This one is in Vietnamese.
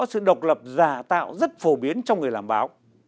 sự độc lập giả tạo rất phổ biến trong người làm báo